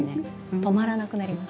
止まらなくなります。